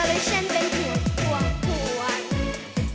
และฉันเป็นหุดห่วงห่วง